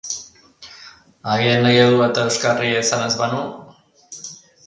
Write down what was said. Haren eredua eta euskarria izan ez banu?